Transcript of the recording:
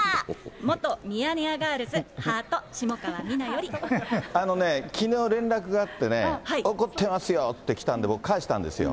元ミヤネ屋ガールズ、ハート、あのね、きのう連絡があってね、怒ってますよって来たんで、僕、返したんですよ。